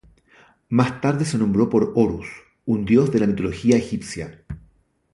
Más tarde se nombró por Horus, un dios de la mitología egipcia.